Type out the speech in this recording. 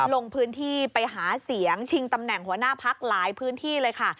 ลงพื้นที่ไปหาเสียงชิงตำแหน่งหัวหน้าพักหลายพื้นที่เลยค่ะ